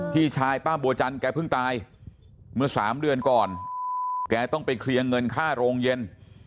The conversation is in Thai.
พี่ชายป้าบัวจันแกเพิ่งตายเมื่อสามเดือนก่อนแกต้องไปเคลียร์เงินค่าโรงเย็น